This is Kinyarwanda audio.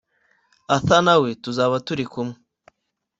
Arthur na we tuzaba turi kumwe